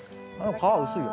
皮薄いよ。